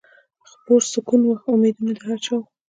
خپور سکون و امیدونه د هر چا وه